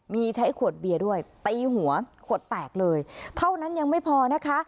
มีใช้ขวดเบียร์ด้วยตีหัวขวดแตกเลยเท่านั้นยังไม่พอนะคะ